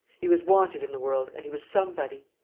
He was wanted in the world, and he was somebody.